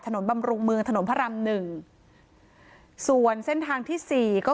บำรุงเมืองถนนพระรามหนึ่งส่วนเส้นทางที่สี่ก็